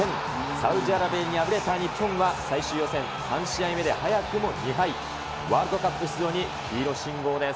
サウジアラビアに敗れた日本は、最終予選は３試合目で早くも２敗、ワールドカップ出場に黄色信号です。